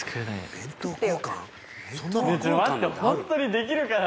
待ってホントにできるかな？